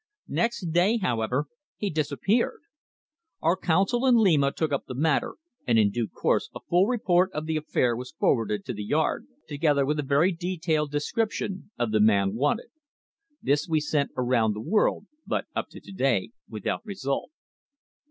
Next day, however, he disappeared. Our Consul in Lima took up the matter, and in due course a full report of the affair was forwarded to the Yard, together with a very detailed description of the man wanted. This we sent around the world, but up to to day without result."